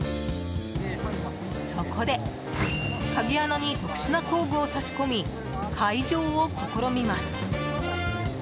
そこで鍵穴に特殊な工具を挿し込み解錠を試みます。